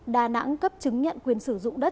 đà nẵng cấp chứng nhận quyền sử dụng đất